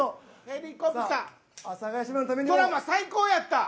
ドラマ最高やった！